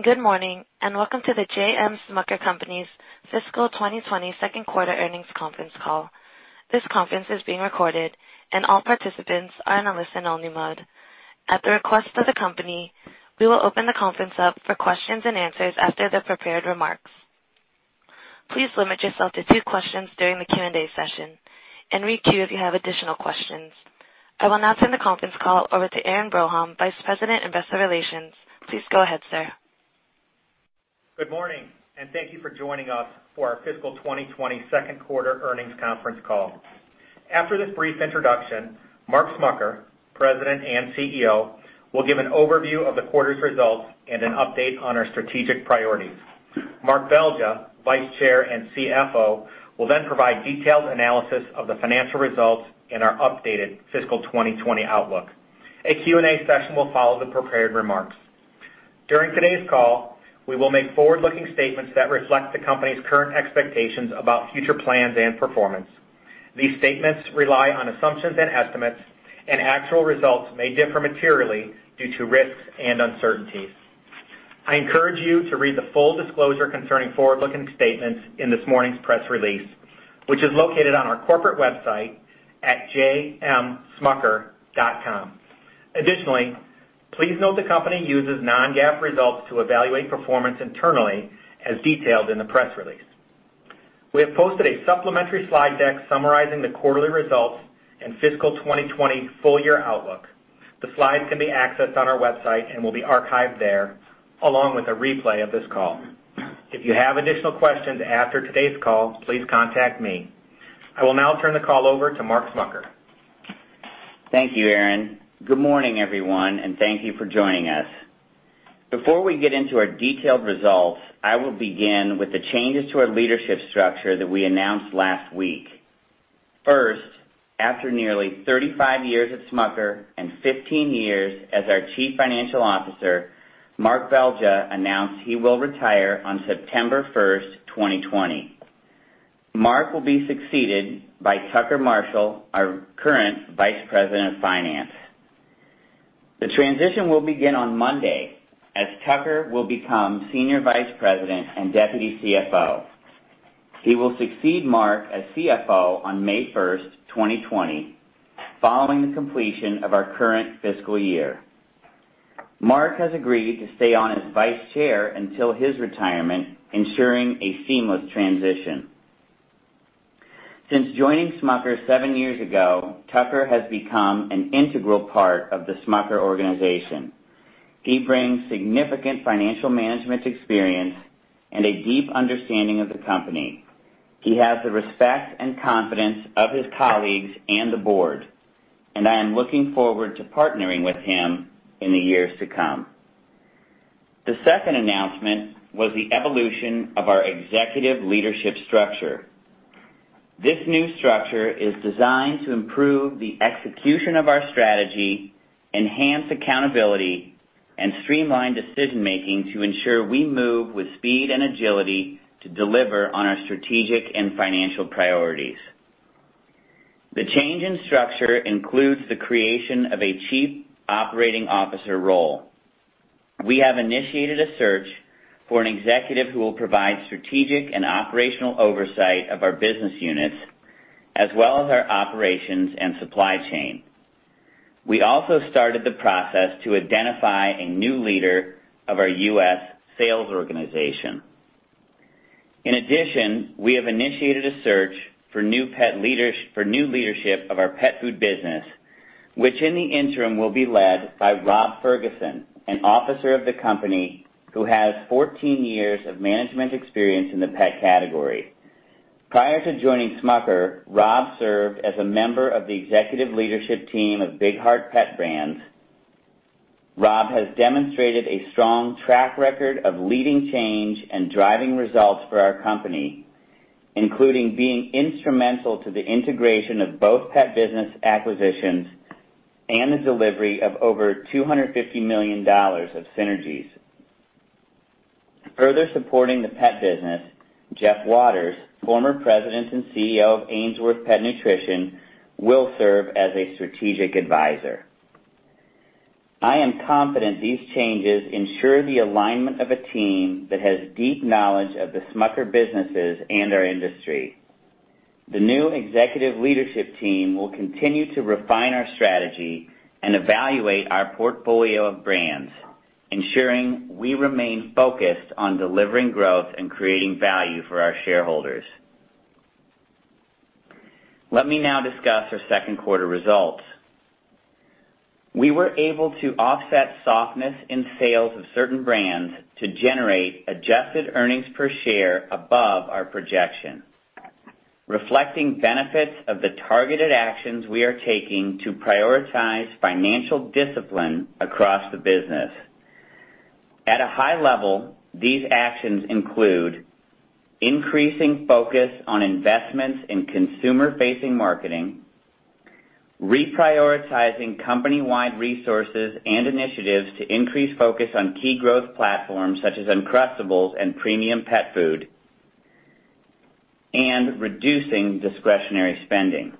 Good morning and welcome to the J. M. Smucker Company's Fiscal 2020 Second Quarter Earnings Conference Call. This conference is being recorded, and all participants are in a listen-only mode. At the request of the company, we will open the conference up for questions and answers after the prepared remarks. Please limit yourself to two questions during the Q&A session, and requeue if you have additional questions. I will now turn the conference call over to Aaron Broholm, Vice President, Investor Relations. Please go ahead, sir. Good morning and thank you for joining us for our Fiscal 2020 Second Quarter Earnings Conference Call. After this brief introduction, Mark Smucker, President and CEO, will give an overview of the quarter's results and an update on our strategic priorities. Mark Belgya, Vice Chair and CFO, will then provide detailed analysis of the financial results and our updated Fiscal 2020 outlook. A Q&A session will follow the prepared remarks. During today's call, we will make forward-looking statements that reflect the company's current expectations about future plans and performance. These statements rely on assumptions and estimates, and actual results may differ materially due to risks and uncertainties. I encourage you to read the full disclosure concerning forward-looking statements in this morning's press release, which is located on our corporate website at jmsmucker.com. Additionally, please note the company uses non-GAAP results to evaluate performance internally, as detailed in the press release. We have posted a supplementary slide deck summarizing the quarterly results and Fiscal 2020 full-year outlook. The slides can be accessed on our website and will be archived there, along with a replay of this call. If you have additional questions after today's call, please contact me. I will now turn the call over to Mark Smucker. Thank you, Aaron. Good morning, everyone, and thank you for joining us. Before we get into our detailed results, I will begin with the changes to our leadership structure that we announced last week. First, after nearly 35 years at Smucker and 15 years as our Chief Financial Officer, Mark Belgya announced he will retire on September 1st, 2020. Mark will be succeeded by Tucker Marshall, our current Vice President of Finance. The transition will begin on Monday, as Tucker will become Senior Vice President and Deputy CFO. He will succeed Mark as CFO on May 1st, 2020, following the completion of our current fiscal year. Mark has agreed to stay on as Vice Chair until his retirement, ensuring a seamless transition. Since joining Smucker seven years ago, Tucker has become an integral part of the Smucker organization. He brings significant financial management experience and a deep understanding of the company. He has the respect and confidence of his colleagues and the board, and I am looking forward to partnering with him in the years to come. The second announcement was the evolution of our executive leadership structure. This new structure is designed to improve the execution of our strategy, enhance accountability, and streamline decision-making to ensure we move with speed and agility to deliver on our strategic and financial priorities. The change in structure includes the creation of a Chief Operating Officer role. We have initiated a search for an executive who will provide strategic and operational oversight of our business units, as well as our operations and supply chain. We also started the process to identify a new leader of our U.S. sales organization. In addition, we have initiated a search for new leadership of our Pet Food business, which in the interim will be led by Rob Ferguson, an officer of the company who has 14 years of management experience in the pet category. Prior to joining Smucker, Rob served as a member of the executive leadership team of Big Heart Pet Brands. Rob has demonstrated a strong track record of leading change and driving results for our company, including being instrumental to the integration of both pet business acquisitions and the delivery of over $250 million of synergies. Further supporting the pet business, Jeff Watters, former President and CEO of Ainsworth Pet Nutrition, will serve as a strategic advisor. I am confident these changes ensure the alignment of a team that has deep knowledge of the Smucker businesses and our industry. The new executive leadership team will continue to refine our strategy and evaluate our portfolio of brands, ensuring we remain focused on delivering growth and creating value for our shareholders. Let me now discuss our second quarter results. We were able to offset softness in sales of certain brands to generate adjusted earnings per share above our projection, reflecting benefits of the targeted actions we are taking to prioritize financial discipline across the business. At a high level, these actions include increasing focus on investments in consumer-facing marketing, reprioritizing company-wide resources and initiatives to increase focus on key growth platforms such as Uncrustables and premium pet food, and reducing discretionary spending.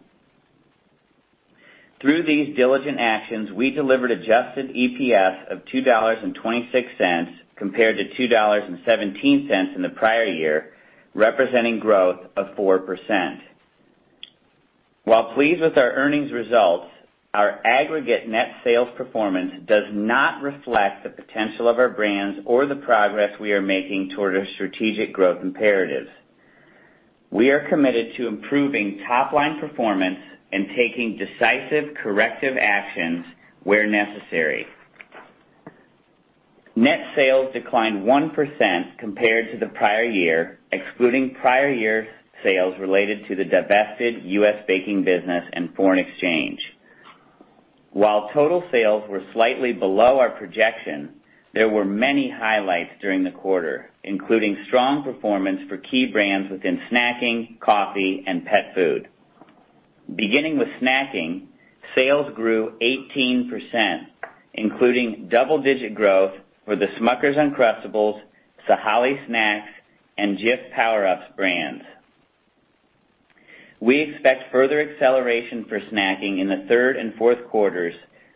Through these diligent actions, we delivered adjusted EPS of $2.26 compared to $2.17 in the prior year, representing growth of 4%. While pleased with our earnings results, our aggregate net sales performance does not reflect the potential of our brands or the progress we are making toward our strategic growth imperatives. We are committed to improving top-line performance and taking decisive corrective actions where necessary. Net sales declined 1% compared to the prior year, excluding prior year sales related to the divested U.S. baking business and foreign exchange. While total sales were slightly below our projection, there were many highlights during the quarter, including strong performance for key brands within Snacking, Coffee, and Pet Food. Beginning with Snacking, sales grew 18%, including double-digit growth for the Smucker's Uncrustables, Sahale Snacks, and Jif Power Ups brands. We expect further acceleration for snacking in the third and fourth quarters,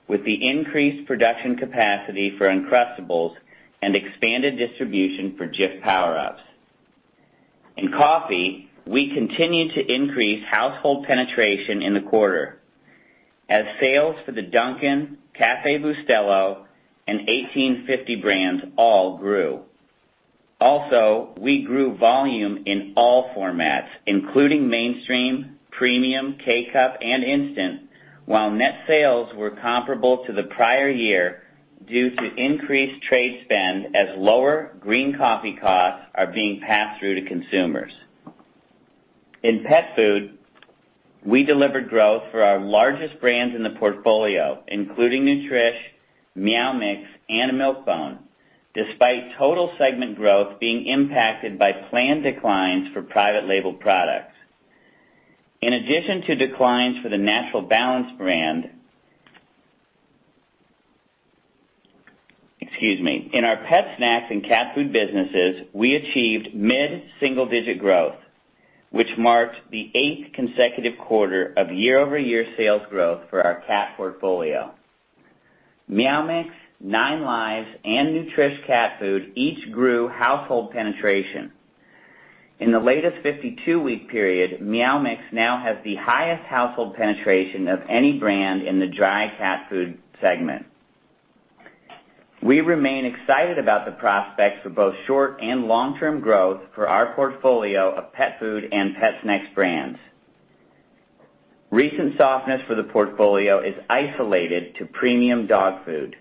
with the increased production capacity for Uncrustables and expanded distribution for Jif Power Ups. In Coffee, we continue to increase household penetration in the quarter, as sales for the Dunkin', Café Bustelo, and 1850 brands all grew. Also, we grew volume in all formats, including mainstream, premium, K-Cup, and instant, while net sales were comparable to the prior year due to increased trade spend as lower green coffee costs are being passed through to consumers. In Pet Food, we delivered growth for our largest brands in the portfolio, including Nutrish, Meow Mix, and Milk-Bone, despite total segment growth being impacted by planned declines private label products. In addition to declines for the Natural Balance brand, excuse me, in our pet snacks and cat food businesses, we achieved mid-single-digit growth, which marked the eighth consecutive quarter of year-over-year sales growth for our cat portfolio. Meow Mix, 9Lives, and Nutrish Cat Food each grew household penetration. In the latest 52-week period, Meow Mix now has the highest household penetration of any brand in the dry cat food segment. We remain excited about the prospects for both short and long-term growth for our portfolio of pet food and pet snacks brands. Recent softness for the portfolio is isolated to premium dog food.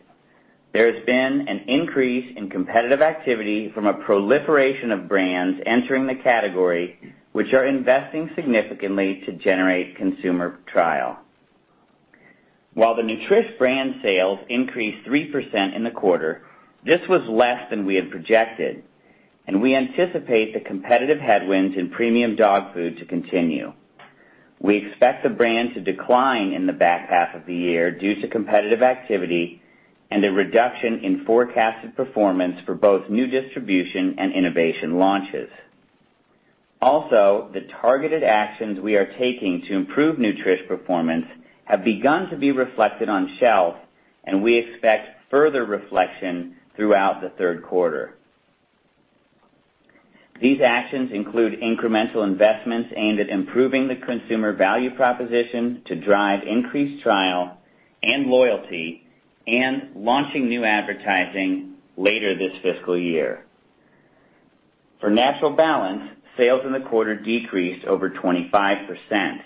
There has been an increase in competitive activity from a proliferation of brands entering the category, which are investing significantly to generate consumer trial. While the Nutrish brand sales increased 3% in the quarter, this was less than we had projected, and we anticipate the competitive headwinds in premium dog food to continue. We expect the brand to decline in the back half of the year due to competitive activity and a reduction in forecasted performance for both new distribution and innovation launches. Also, the targeted actions we are taking to improve Nutrish performance have begun to be reflected on shelf, and we expect further reflection throughout the third quarter. These actions include incremental investments aimed at improving the consumer value proposition to drive increased trial and loyalty and launching new advertising later this fiscal year. For Natural Balance, sales in the quarter decreased over 25%.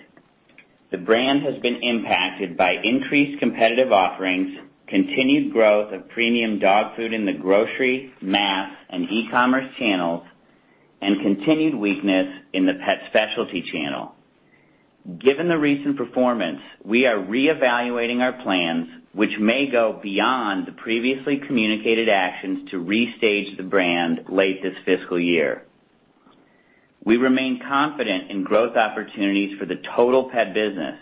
The brand has been impacted by increased competitive offerings, continued growth of premium dog food in the grocery, mass, and e-commerce channels, and continued weakness in the pet specialty channel. Given the recent performance, we are reevaluating our plans, which may go beyond the previously communicated actions to restage the brand late this fiscal year. We remain confident in growth opportunities for the total pet business,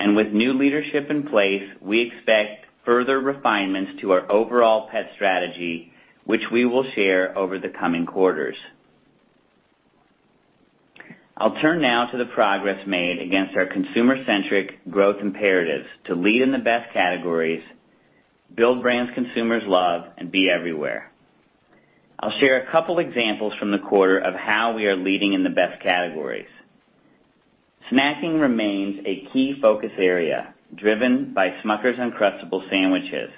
and with new leadership in place, we expect further refinements to our overall pet strategy, which we will share over the coming quarters. I'll turn now to the progress made against our consumer-centric growth imperatives to lead in the best categories, build brands consumers love, and be everywhere. I'll share a couple of examples from the quarter of how we are leading in the best categories. Snacking remains a key focus area, driven by Smucker's Uncrustables sandwiches.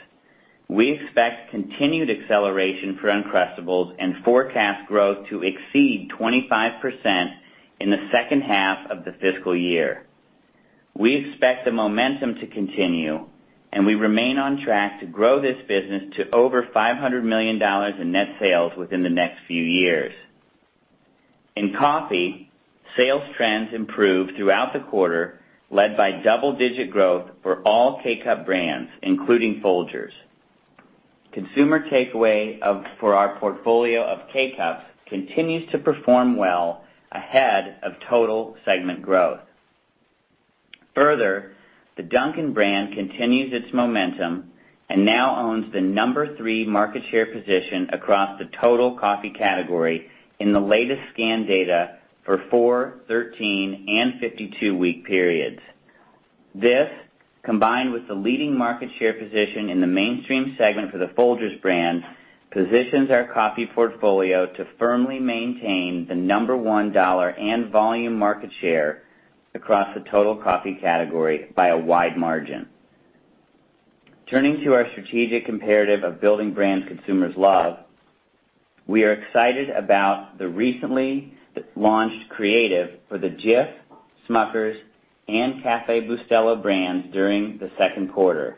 We expect continued acceleration for Uncrustables and forecast growth to exceed 25% in the second half of the fiscal year. We expect the momentum to continue, and we remain on track to grow this business to over $500 million in net sales within the next few years. In Coffee, sales trends improved throughout the quarter, led by double-digit growth for all K-Cup brands, including Folgers. Consumer takeaway for our portfolio of K-Cups continues to perform well ahead of total segment growth. Further, the Dunkin' brand continues its momentum and now owns the number three market share position across the total Coffee category in the latest scan data for four, 13, and 52-week periods. This, combined with the leading market share position in the mainstream segment for the Folgers brand, positions our Coffee portfolio to firmly maintain the number one dollar and volume market share across the total Coffee category by a wide margin. Turning to our strategic imperative of building brands consumers love, we are excited about the recently launched creative for the Jif, Smucker's, and Café Bustelo brands during the second quarter,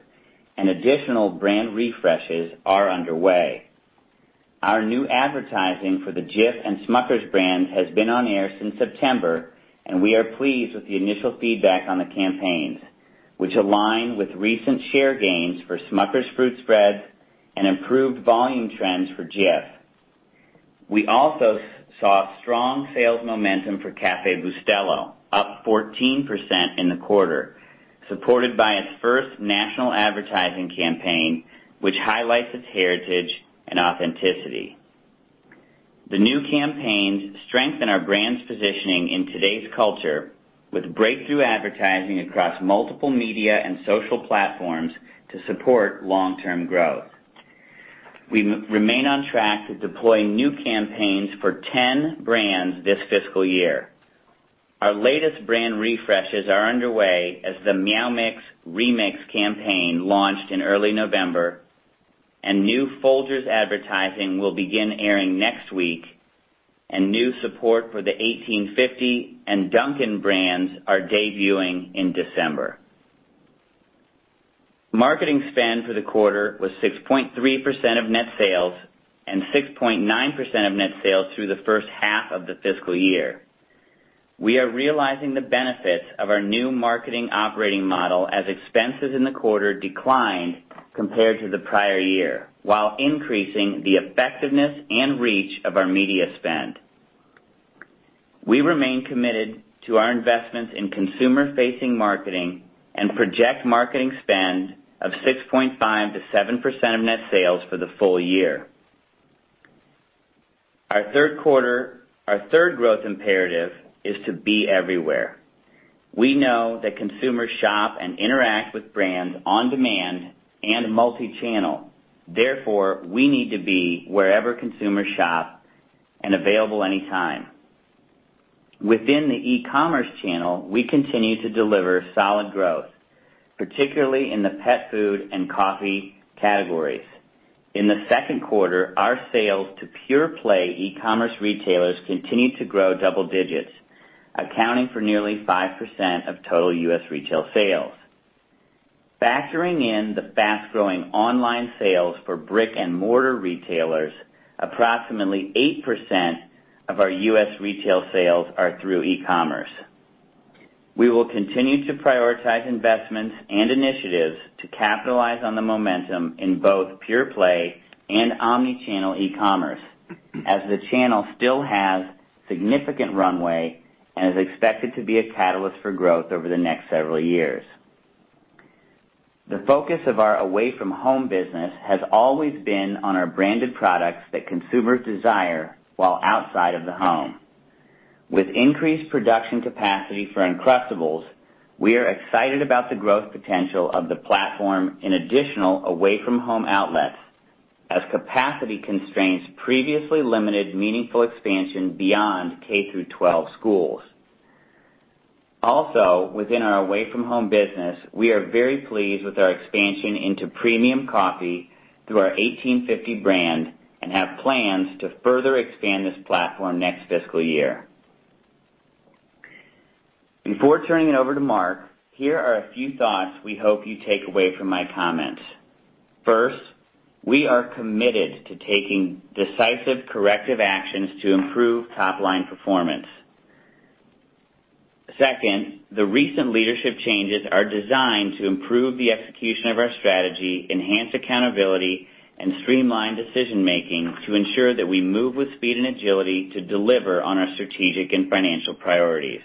and additional brand refreshes are underway. Our new advertising for the Jif and Smucker's brands has been on air since September, and we are pleased with the initial feedback on the campaigns, which align with recent share gains for Smucker's Fruit Spreads and improved volume trends for Jif. We also saw strong sales momentum for Café Bustelo, up 14% in the quarter, supported by its first national advertising campaign, which highlights its heritage and authenticity. The new campaigns strengthen our brand's positioning in today's culture, with breakthrough advertising across multiple media and social platforms to support long-term growth. We remain on track to deploy new campaigns for 10 brands this fiscal year. Our latest brand refreshes are underway as the Meow Mix ReMix campaign launched in early November, and new Folgers advertising will begin airing next week, and new support for the 1850 and Dunkin' brands are debuting in December. Marketing spend for the quarter was 6.3% of net sales and 6.9% of net sales through the first half of the fiscal year. We are realizing the benefits of our new marketing operating model as expenses in the quarter declined compared to the prior year, while increasing the effectiveness and reach of our media spend. We remain committed to our investments in consumer-facing marketing and project marketing spend of 6.5%-7% of net sales for the full year. Our third growth imperative is to be everywhere. We know that consumers shop and interact with brands on demand and multi-channel. Therefore, we need to be wherever consumers shop and available anytime. Within the e-commerce channel, we continue to deliver solid growth, particularly in the Pet Food and Coffee categories. In the second quarter, our sales to pure-play e-commerce retailers continued to grow double digits, accounting for nearly 5% of total U.S. retail sales. Factoring in the fast-growing online sales for brick-and-mortar retailers, approximately 8% of our U.S. retail sales are through e-commerce. We will continue to prioritize investments and initiatives to capitalize on the momentum in both pure-play and omnichannel e-commerce, as the channel still has significant runway and is expected to be a catalyst for growth over the next several years. The focus of our away-from-home business has always been on our branded products that consumers desire while outside of the home. With increased production capacity for Uncrustables, we are excited about the growth potential of the platform in additional away-from-home outlets, as capacity constraints previously limited meaningful expansion beyond K-12 schools. Also, within our away-from-home business, we are very pleased with our expansion into Premium Coffee through our 1850 brand and have plans to further expand this platform next fiscal year. Before turning it over to Mark, here are a few thoughts we hope you take away from my comments. First, we are committed to taking decisive corrective actions to improve top-line performance. Second, the recent leadership changes are designed to improve the execution of our strategy, enhance accountability, and streamline decision-making to ensure that we move with speed and agility to deliver on our strategic and financial priorities.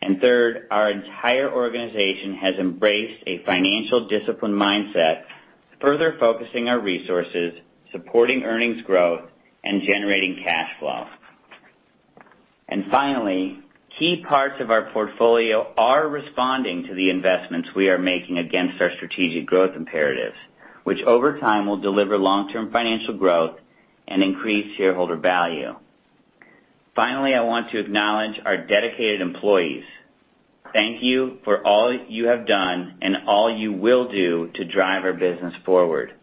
And third, our entire organization has embraced a financial discipline mindset, further focusing our resources, supporting earnings growth, and generating cash flow. Finally, key parts of our portfolio are responding to the investments we are making against our strategic growth imperatives, which over time will deliver long-term financial growth and increase shareholder value. Finally, I want to acknowledge our dedicated employees. Thank you for all you have done and all you will do to drive our business forward.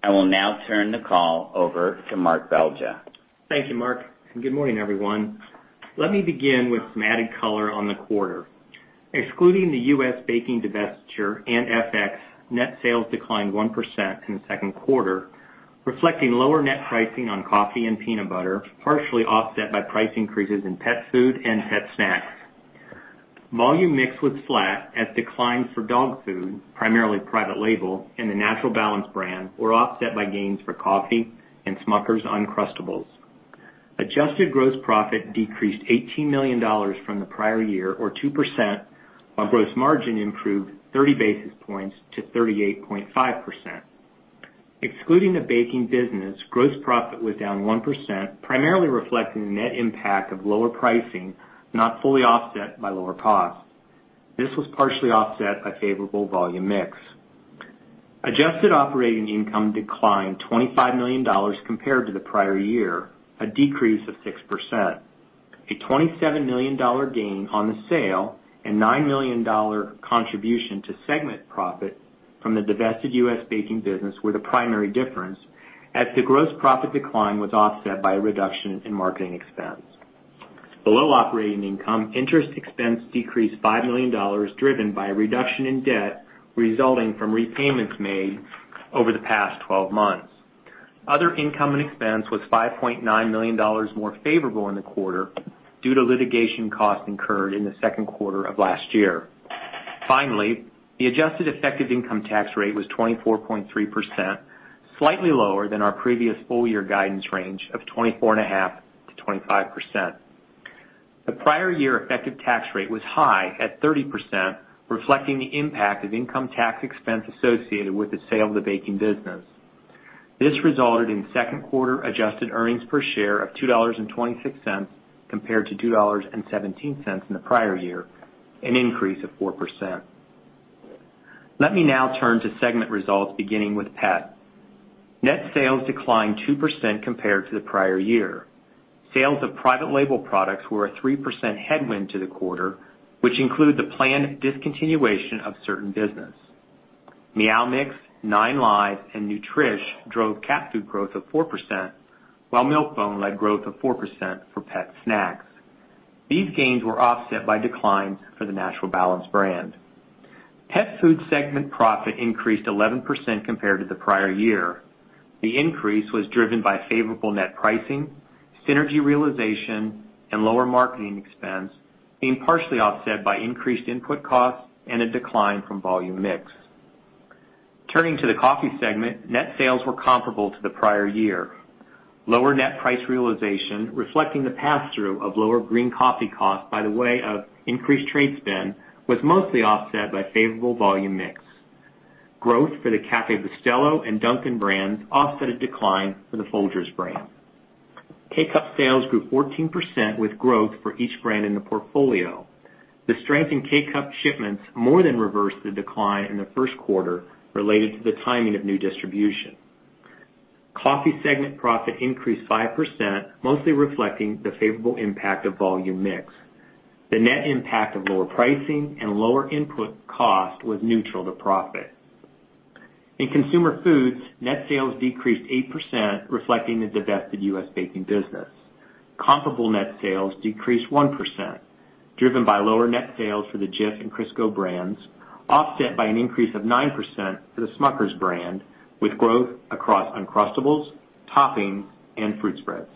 I will now turn the call over to Mark Belgya. Thank you, Mark. Good morning, everyone. Let me begin with some added color on the quarter. Excluding the U.S. baking divestiture and FX, net sales declined 1% in the second quarter, reflecting lower net pricing on Coffee and Peanut Butter, partially offset by price increases in pet food and pet volume mix was flat, as declines for dog food, private label, and the Natural Balance brand, were offset by gains for Coffee and Smucker's Uncrustables. Adjusted gross profit decreased $18 million from the prior year, or 2%, while gross margin improved 30 basis points to 38.5%. Excluding the baking business, gross profit was down 1%, primarily reflecting the net impact of lower pricing, not fully offset by lower costs. This was partially offset by volume mix. adjusted operating income declined $25 million compared to the prior year, a decrease of 6%. A $27 million gain on the sale and $9 million contribution to segment profit from the divested U.S. baking business were the primary difference, as the gross profit decline was offset by a reduction in marketing expense. Below operating income, interest expense decreased $5 million, driven by a reduction in debt resulting from repayments made over the past 12 months. Other income and expense was $5.9 million more favorable in the quarter due to litigation costs incurred in the second quarter of last year. Finally, the adjusted effective income tax rate was 24.3%, slightly lower than our previous full-year guidance range of 24.5%-25%. The prior year effective tax rate was high at 30%, reflecting the impact of income tax expense associated with the sale of the baking business. This resulted in second quarter adjusted earnings per share of $2.26 compared to $2.17 in the prior year, an increase of 4%. Let me now turn to segment results, beginning with Pet. Net sales declined 2% compared to the prior year. Sales private label products were a 3% headwind to the quarter, which included the planned discontinuation of certain business. Meow Mix, 9Lives, and Nutrish drove cat food growth of 4%, while Milk-Bone led growth of 4% for pet snacks. These gains were offset by declines for the Natural Balance brand. Pet Food segment profit increased 11% compared to the prior year. The increase was driven by favorable net pricing, synergy realization, and lower marketing expense, being partially offset by increased input costs and a decline volume mix. turning to the Coffee segment, net sales were comparable to the prior year. Lower net price realization, reflecting the pass-through of lower green coffee costs by way of increased trade spend, was mostly offset by volume mix. growth for the Café Bustelo and Dunkin' brands offset a decline for the Folgers brand. K-Cup sales grew 14% with growth for each brand in the portfolio. The strength in K-Cup shipments more than reversed the decline in the first quarter related to the timing of new distribution. Coffee segment profit increased 5%, mostly reflecting the favorable impact volume mix. the net impact of lower pricing and lower input cost was neutral to profit. In consumer foods, net sales decreased 8%, reflecting the divested U.S. baking business. Comparable net sales decreased 1%, driven by lower net sales for the Jif and Crisco brands, offset by an increase of 9% for the Smucker's brand, with growth across Uncrustables, Toppings, and Fruit Spreads.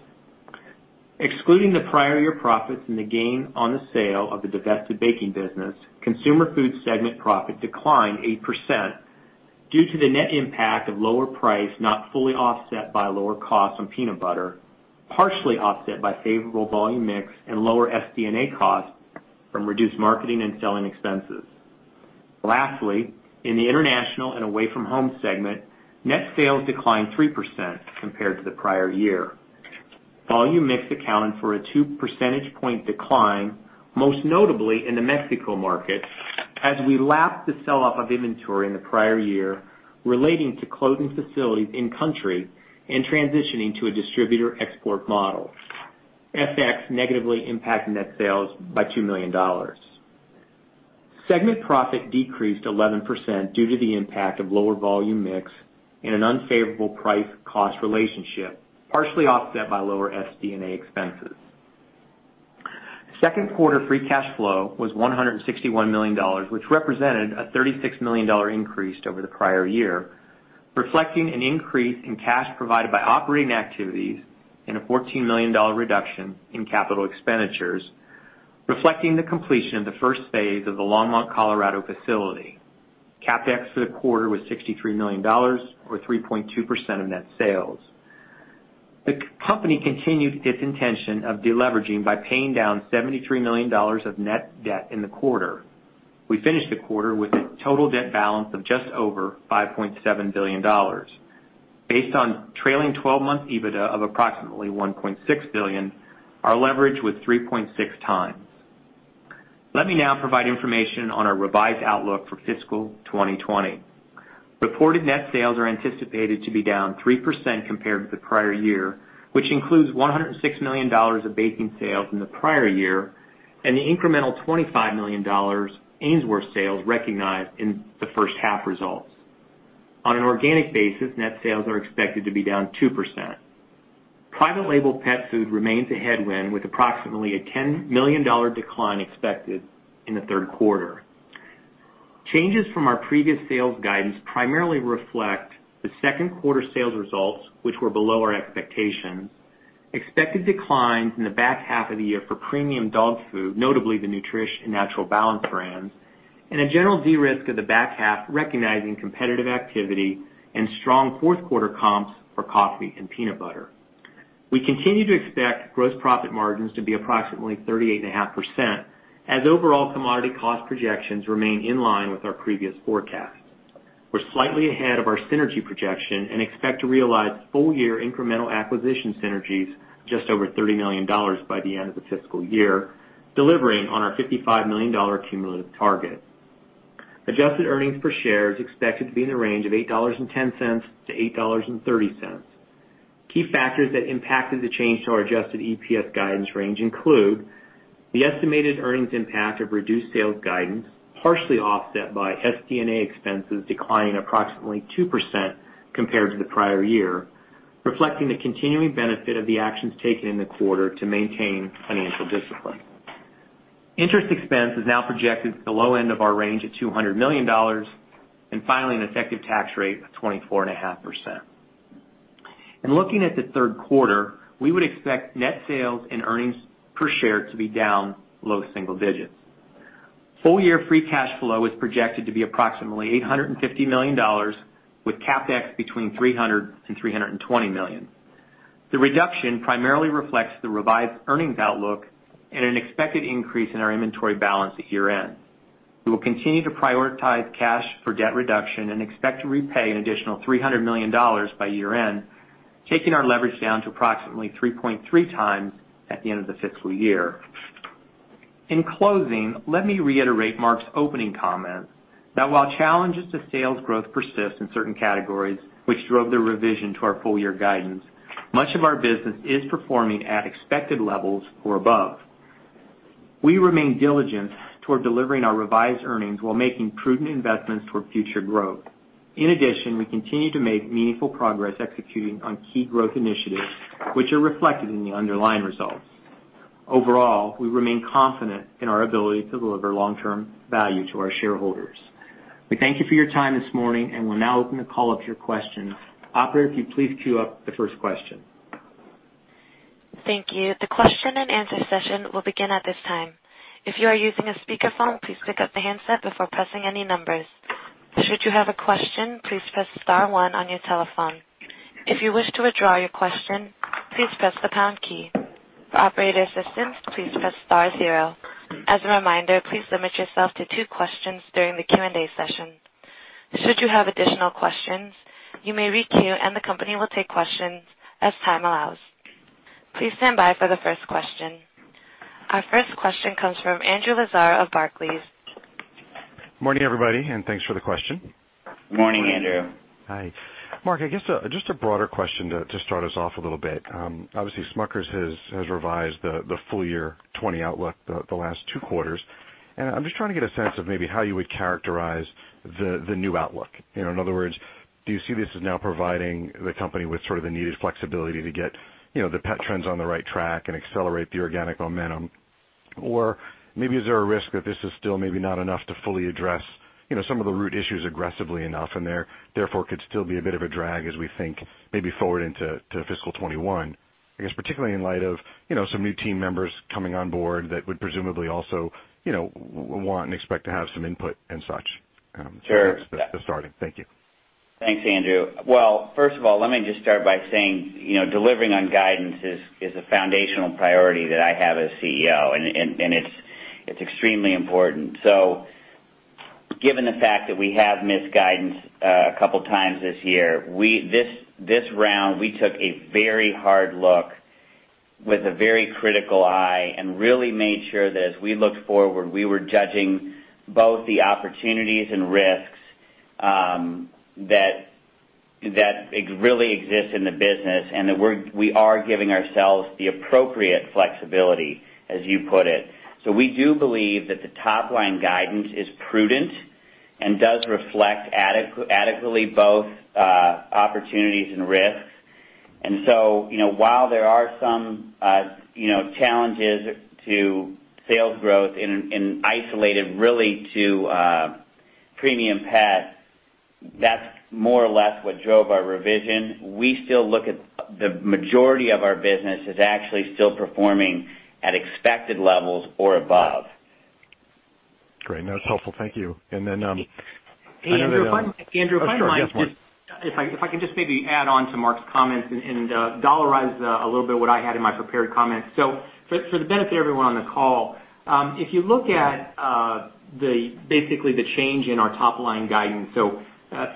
Excluding the prior year profits and the gain on the sale of the divested baking business, Consumer Food segment profit declined 8% due to the net impact of lower price not fully offset by lower costs on peanut butter, partially offset by volume mix and lower SD&A costs from reduced marketing and selling expenses. Lastly, in the international and away-from-home segment, net sales declined 3% compared to the prior volume mix accounted for a 2 percentage point decline, most notably in the Mexico market, as we lapped the sell-off of inventory in the prior year relating to closing facilities in country and transitioning to a distributor export model. FX negatively impacted net sales by $2 million. Segment profit decreased 11% due to the impact of volume mix and an unfavorable price-cost relationship, partially offset by lower SD&A expenses. Second quarter free cash flow was $161 million, which represented a $36 million increase over the prior year, reflecting an increase in cash provided by operating activities and a $14 million reduction in capital expenditures, reflecting the completion of the first phase of the Longmont, Colorado facility. CapEx for the quarter was $63 million, or 3.2% of net sales. The company continued its intention of deleveraging by paying down $73 million of net debt in the quarter. We finished the quarter with a total debt balance of just over $5.7 billion. Based on trailing 12-month EBITDA of approximately $1.6 billion, our leverage was 3.6 times. Let me now provide information on our revised outlook for fiscal 2020. Reported net sales are anticipated to be down 3% compared to the prior year, which includes $106 million of baking sales in the prior year and the incremental $25 million Ainsworth sales recognized in the first half results. On an organic basis, net sales are expected private label pet food remains a headwind, with approximately a $10 million decline expected in the third quarter. Changes from our previous sales guidance primarily reflect the second quarter sales results, which were below our expectations. Expected declines in the back half of the year for premium dog food, notably the Nutrish and Natural Balance brands, and a general de-risk of the back half, recognizing competitive activity and strong fourth quarter comps for Coffee and Peanut Butter. We continue to expect gross profit margins to be approximately 38.5%, as overall commodity cost projections remain in line with our previous forecast. We're slightly ahead of our synergy projection and expect to realize full-year incremental acquisition synergies just over $30 million by the end of the fiscal year, delivering on our $55 million cumulative target. Adjusted earnings per share is expected to be in the range of $8.10-$8.30. Key factors that impacted the change to our Adjusted EPS guidance range include the estimated earnings impact of reduced sales guidance, partially offset by SD&A expenses declining approximately 2% compared to the prior year, reflecting the continuing benefit of the actions taken in the quarter to maintain financial discipline. Interest expense is now projected at the low end of our range at $200 million, and finally, an effective tax rate of 24.5%. In looking at the third quarter, we would expect net sales and earnings per share to be down low single digits. Full-year Free Cash Flow is projected to be approximately $850 million, with CapEx between $300 million and $320 million. The reduction primarily reflects the revised earnings outlook and an expected increase in our inventory balance at year-end. We will continue to prioritize cash for debt reduction and expect to repay an additional $300 million by year-end, taking our leverage down to approximately 3.3 times at the end of the fiscal year. In closing, let me reiterate Mark's opening comments that while challenges to sales growth persist in certain categories, which drove the revision to our full-year guidance, much of our business is performing at expected levels or above. We remain diligent toward delivering our revised earnings while making prudent investments toward future growth. In addition, we continue to make meaningful progress executing on key growth initiatives, which are reflected in the underlying results. Overall, we remain confident in our ability to deliver long-term value to our shareholders. We thank you for your time this morning, and we'll now open the call up for your questions. Operator, if you'd please queue up the first question. Thank you. The question and answer session will begin at this time. If you are using a speakerphone, please pick up the handset before pressing any numbers. Should you have a question, please press star one on your telephone. If you wish to withdraw your question, please press the pound key. For operator assistance, please press star zero. As a reminder, please limit yourself to two questions during the Q&A session. Should you have additional questions, you may re-queue and the company will take questions as time allows. Please stand by for the first question. Our first question comes from Andrew Lazar of Barclays. Morning, everybody, and thanks for the question. Morning, Andrew. Hi. Mark, I guess just a broader question to start us off a little bit. Obviously, Smucker's has revised the full-year 2020 outlook the last two quarters, and I'm just trying to get a sense of maybe how you would characterize the new outlook. In other words, do you see this as now providing the company with sort of the needed flexibility to get the pet trends on the right track and accelerate the organic momentum? Or maybe is there a risk that this is still maybe not enough to fully address some of the root issues aggressively enough, and therefore could still be a bit of a drag as we think maybe forward into fiscal 2021? I guess particularly in light of some new team members coming on board that would presumably also want and expect to have some input and such. Sure. That's the starting. Thank you. Thanks, Andrew. First of all, let me just start by saying delivering on guidance is a foundational priority that I have as CEO, and it's extremely important. Given the fact that we have missed guidance a couple of times this year, this round we took a very hard look with a very critical eye and really made sure that as we looked forward, we were judging both the opportunities and risks that really exist in the business and that we are giving ourselves the appropriate flexibility, as you put it. We do believe that the top-line guidance is prudent and does reflect adequately both opportunities and risks. While there are some challenges to sales growth and isolated, really, to premium pet, that's more or less what drove our revision. We still look at the majority of our business as actually still performing at expected levels or above. Great. That's helpful. Thank you. And then I know there are, Andrew, if I can just maybe add on to Mark's comments and dollarize a little bit what I had in my prepared comments. So for the benefit of everyone on the call, if you look at basically the change in our top-line guidance, so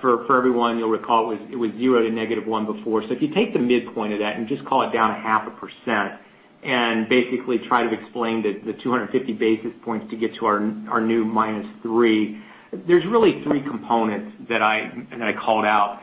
for everyone, you'll recall it was 0% to -1% before. So if you take the midpoint of that and just call it down 0.5% and basically try to explain the 250 basis points to get to our new -3%, there's really three components that I called out.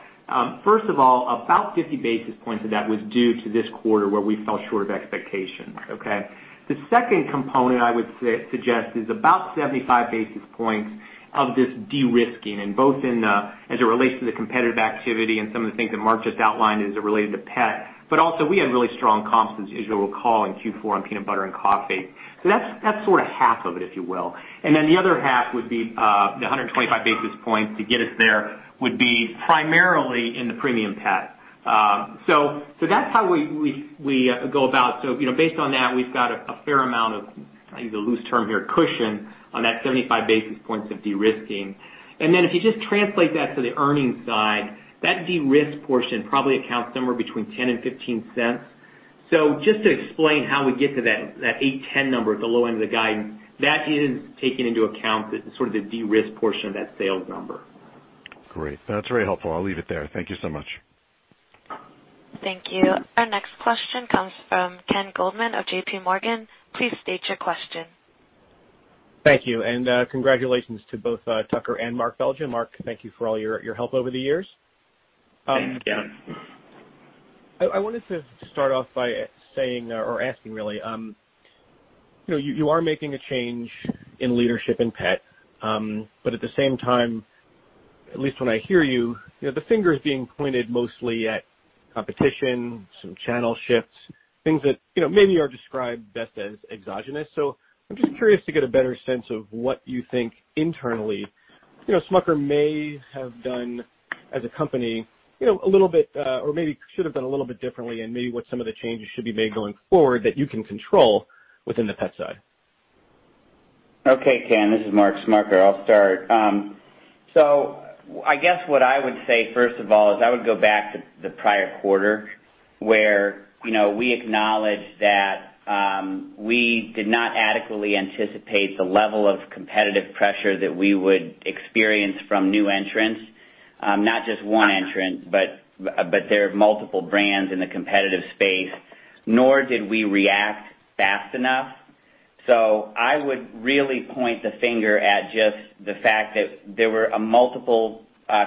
First of all, about 50 basis points of that was due to this quarter where we fell short of expectations. Okay? The second component I would suggest is about 75 basis points of this de-risking, and both in, as it relates to the competitive activity and some of the things that Mark just outlined, as it related to Pet, but also we had really strong comps, as you'll recall, in Q4 on Peanut Butter and Coffee. So that's sort of half of it, if you will. And then the other half would be the 125 basis points to get us there would be primarily in the Premium Pet. So that's how we go about. So based on that, we've got a fair amount of, I'll use a loose term here, cushion on that 75 basis points of de-risking. And then if you just translate that to the earnings side, that de-risk portion probably accounts somewhere between $0.10 and $0.15. So, just to explain how we get to that $8.10 number at the low end of the guidance, that is taken into account sort of the de-risk portion of that sales number. Great. That's very helpful. I'll leave it there. Thank you so much. Thank you. Our next question comes from Ken Goldman of JPMorgan. Please state your question. Thank you. And congratulations to both Tucker and Mark Belgya. Mark, thank you for all your help over the years. Thank you. I wanted to start off by saying or asking, really, you are making a change in leadership in pet, but at the same time, at least when I hear you, the finger is being pointed mostly at competition, some channel shifts, things that maybe are described best as exogenous. So I'm just curious to get a better sense of what you think internally Smucker may have done as a company a little bit or maybe should have done a little bit differently and maybe what some of the changes should be made going forward that you can control within the Pet side. Okay, Ken. This is Mark Smucker. I'll start. So I guess what I would say, first of all, is I would go back to the prior quarter where we acknowledge that we did not adequately anticipate the level of competitive pressure that we would experience from new entrants, not just one entrant, but there are multiple brands in the competitive space, nor did we react fast enough. So I would really point the finger at just the fact that there were multiple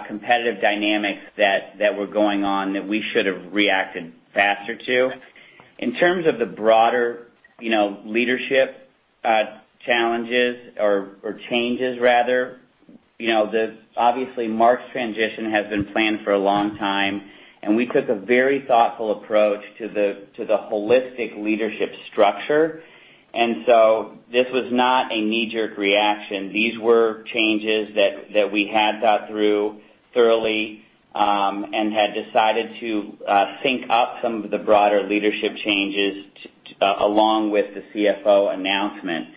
competitive dynamics that were going on that we should have reacted faster to. In terms of the broader leadership challenges or changes, rather, obviously, Mark's transition has been planned for a long time, and we took a very thoughtful approach to the holistic leadership structure, and so this was not a knee-jerk reaction. These were changes that we had thought through thoroughly and had decided to sync up some of the broader leadership changes along with the CFO announcement,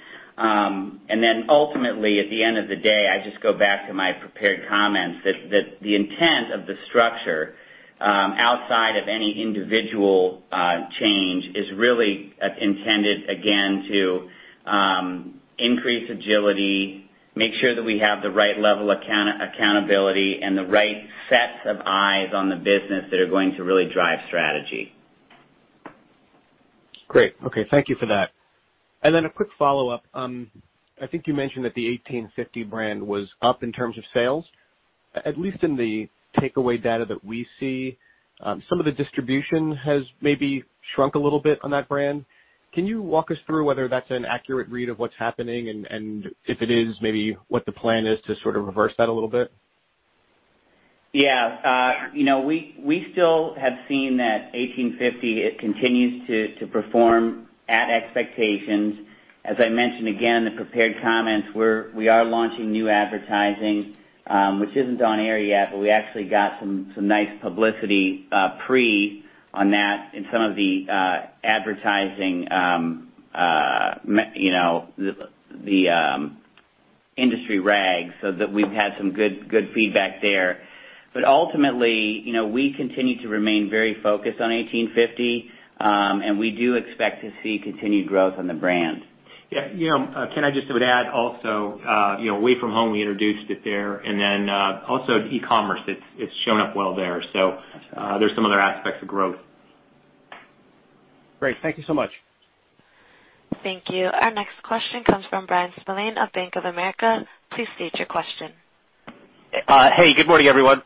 and then ultimately, at the end of the day, I just go back to my prepared comments that the intent of the structure outside of any individual change is really intended, again, to increase agility, make sure that we have the right level of accountability and the right sets of eyes on the business that are going to really drive strategy. Great. Okay. Thank you for that, and then a quick follow-up. I think you mentioned that the 1850 brand was up in terms of sales, at least in the takeaway data that we see. Some of the distribution has maybe shrunk a little bit on that brand. Can you walk us through whether that's an accurate read of what's happening and if it is, maybe what the plan is to sort of reverse that a little bit? Yeah. We still have seen that 1850, it continues to perform at expectations. As I mentioned, again, the prepared comments, we are launching new advertising, which isn't on air yet, but we actually got some nice publicity pre on that in some of the advertising, the industry rag, so that we've had some good feedback there. But ultimately, we continue to remain very focused on 1850, and we do expect to see continued growth on the brand. Yeah. Can I just add also, away from home, we introduced it there, and then also e-commerce has shown up well there. So there's some other aspects of growth. Great. Thank you so much. Thank you. Our next question comes from Brian Spillane of Bank of America. Please state your question. Hey. Good morning, everyone.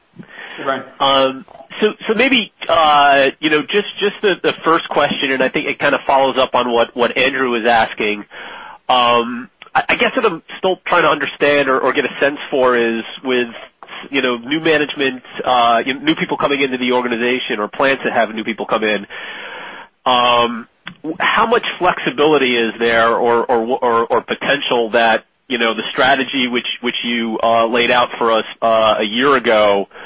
Hey, Brian, so maybe just the first question, and I think it kind of follows up on what Andrew was asking. I guess what I'm still trying to understand or get a sense for is with new management, new people coming into the organization or plans to have new people come in, how much flexibility is there or potential that the strategy which you laid out for us a year ago would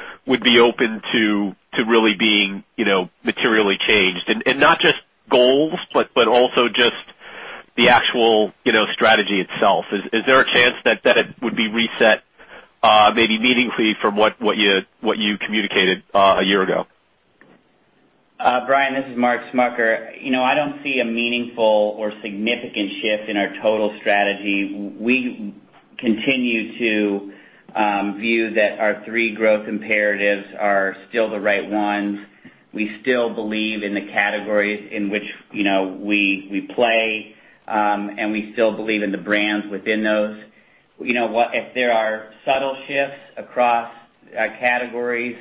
be open to really being materially changed, and not just goals, but also just the actual strategy itself. Is there a chance that it would be reset maybe meaningfully from what you communicated a year ago? Brian, this is Mark Smucker. I don't see a meaningful or significant shift in our total strategy. We continue to view that our three growth imperatives are still the right ones. We still believe in the categories in which we play, and we still believe in the brands within those. If there are subtle shifts across categories,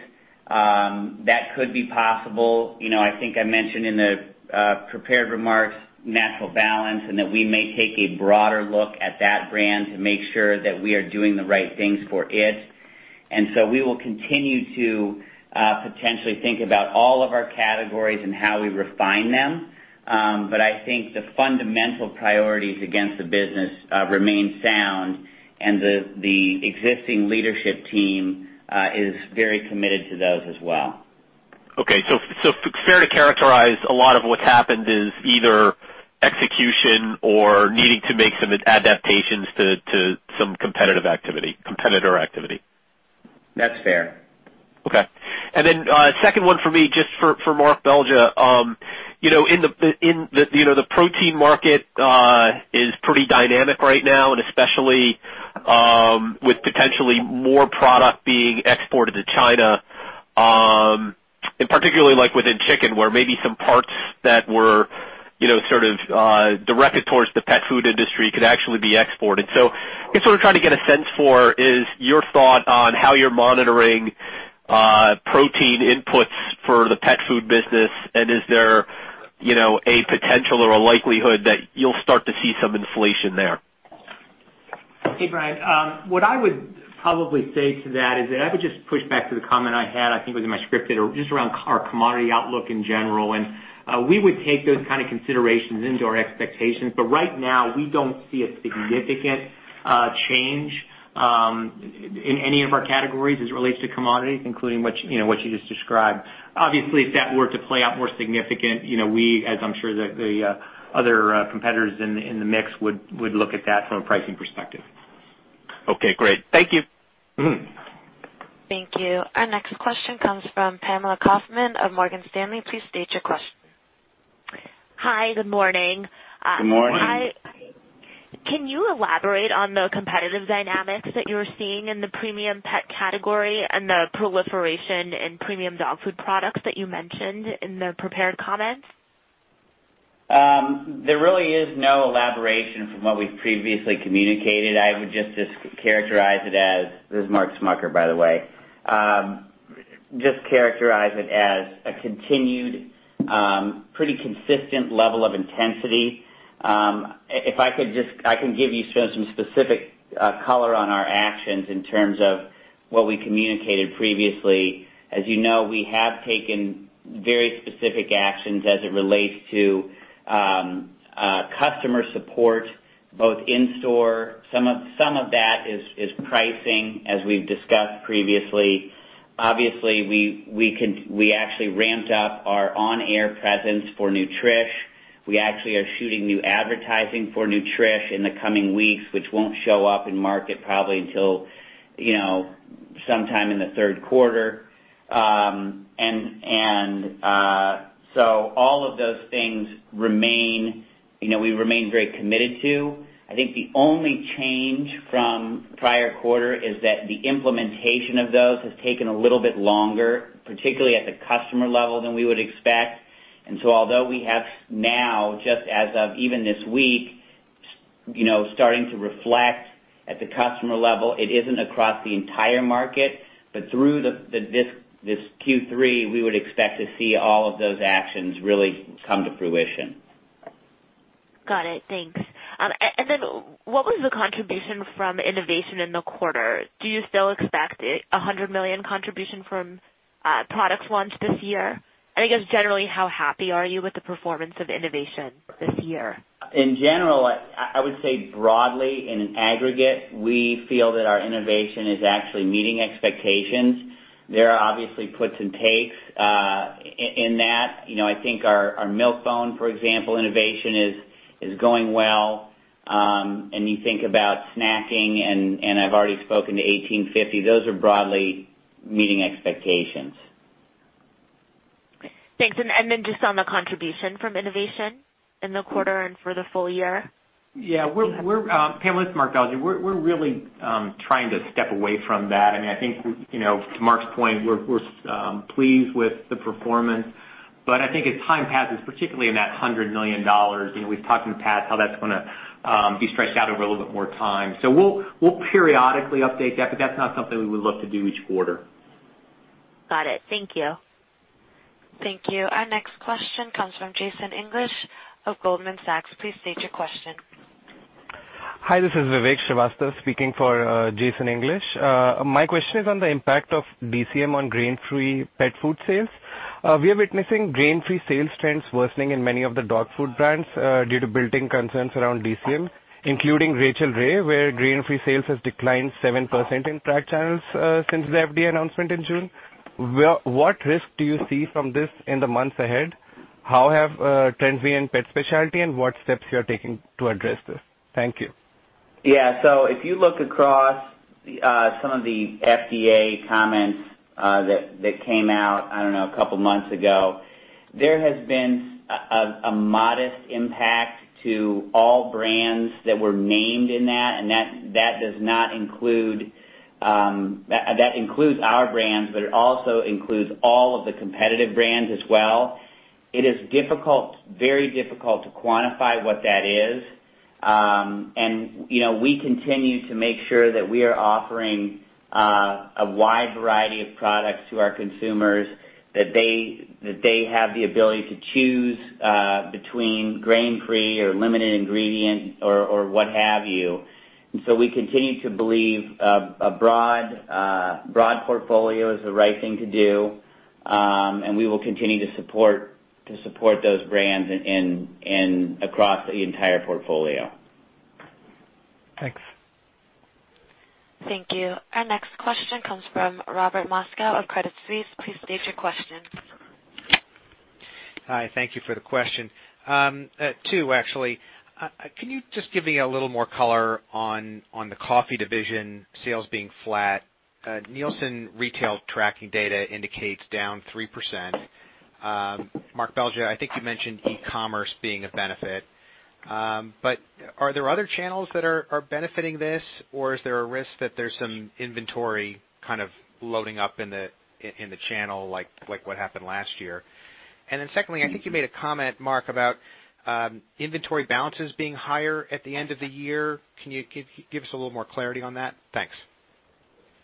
that could be possible. I think I mentioned in the prepared remarks Natural Balance and that we may take a broader look at that brand to make sure that we are doing the right things for it. And so we will continue to potentially think about all of our categories and how we refine them, but I think the fundamental priorities against the business remain sound, and the existing leadership team is very committed to those as well. Okay. So fair to characterize a lot of what's happened is either execution or needing to make some adaptations to some competitor activity? That's fair. Okay. And then second one for me, just for Mark Belgya, in the protein market is pretty dynamic right now, and especially with potentially more product being exported to China, and particularly within chicken where maybe some parts that were sort of directed towards the Pet Food industry could actually be exported. So I guess what I'm trying to get a sense for is your thought on how you're monitoring protein inputs for the Pet Food business, and is there a potential or a likelihood that you'll start to see some inflation there? Hey, Brian. What I would probably say to that is that I would just push back to the comment I had, I think it was in my scripted, just around our commodity outlook in general, and we would take those kind of considerations into our expectations. But right now, we don't see a significant change in any of our categories as it relates to commodities, including what you just described. Obviously, if that were to play out more significantly, we, as I'm sure the other competitors in the mix, would look at that from a pricing perspective. Okay. Great. Thank you. Thank you. Our next question comes from Pamela Kaufman of Morgan Stanley. Please state your question. Hi. Good morning. Good morning. Can you elaborate on the competitive dynamics that you're seeing in the premium pet category and the proliferation in premium dog food products that you mentioned in the prepared comments? There really is no elaboration from what we've previously communicated. I would just characterize it as, this is Mark Smucker, by the way, just characterize it as a continued, pretty consistent level of intensity. I can give you some specific color on our actions in terms of what we communicated previously. As you know, we have taken very specific actions as it relates to customer support, both in-store. Some of that is pricing, as we've discussed previously. Obviously, we actually ramped up our on-air presence for Nutrish. We actually are shooting new advertising for Nutrish in the coming weeks, which won't show up in market probably until sometime in the third quarter. And so all of those things remain. We remain very committed to. I think the only change from prior quarter is that the implementation of those has taken a little bit longer, particularly at the customer level than we would expect. And so although we have now, just as of even this week, starting to reflect at the customer level, it isn't across the entire market, but through this Q3, we would expect to see all of those actions really come to fruition. Got it. Thanks. And then what was the contribution from innovation in the quarter? Do you still expect a $100 million contribution from Products Launch this year? And I guess, generally, how happy are you with the performance of innovation this year? In general, I would say broadly, in an aggregate, we feel that our innovation is actually meeting expectations. There are obviously puts and takes in that. I think our Milk-Bone, for example, innovation is going well. And you think about snacking, and I've already spoken to 1850. Those are broadly meeting expectations. Thanks. And then just on the contribution from innovation in the quarter and for the full year? Yeah. Pamela Smucker, we're really trying to step away from that. I mean, I think to Mark's point, we're pleased with the performance, but I think as time passes, particularly in that $100 million, we've talked in the past how that's going to be stretched out over a little bit more time. So we'll periodically update that, but that's not something we would look to do each quarter. Got it. Thank you. Thank you. Our next question comes from Jason English of Goldman Sachs. Please state your question. Hi. This is Vivek Srivastava speaking for Jason English. My question is on the impact of DCM on grain-free pet food sales. We are witnessing grain-free sales trends worsening in many of the dog food brands due to building concerns around DCM, including Rachael Ray, where grain-free sales has declined 7% in tracked channels since the FDA announcement in June. What risk do you see from this in the months ahead? How have trends and pet specialty, and what steps you are taking to address this? Thank you. Yeah. So if you look across some of the FDA comments that came out, I don't know, a couple of months ago, there has been a modest impact to all brands that were named in that, and that does not include, that includes our brands, but it also includes all of the competitive brands as well. It is difficult, very difficult to quantify what that is. And we continue to make sure that we are offering a wide variety of products to our consumers that they have the ability to choose between grain-free or limited ingredient or what have you. And so we continue to believe a broad portfolio is the right thing to do, and we will continue to support those brands across the entire portfolio. Thanks. Thank you. Our next question comes from Robert Moskow of Credit Suisse. Please state your question. Hi. Thank you for the question. Two, actually. Can you just give me a little more color on the Coffee division, sales being flat? Nielsen Retail Tracking data indicates down 3%. Mark Belgya, I think you mentioned e-commerce being a benefit, but are there other channels that are benefiting this, or is there a risk that there's some inventory kind of loading up in the channel like what happened last year? And then secondly, I think you made a comment, Mark, about inventory balances being higher at the end of the year. Can you give us a little more clarity on that? Thanks.